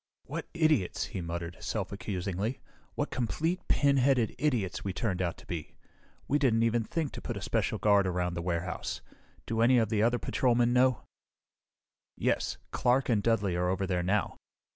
"What idiots!" he muttered self accusingly. "What complete, pinheaded idiots we turned out to be. We didn't even think to put a special guard around the warehouse! Do any of the other patrolmen know?" "Yes. Clark and Dudly are over there now.